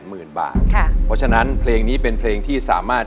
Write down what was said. เพราะฉะนั้นเพลงนี้เป็นเพลงที่สามารถ